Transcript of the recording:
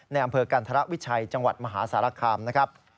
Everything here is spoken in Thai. อำเภอกันธรวิชัยจังหวัดมหาสารคามนะครับ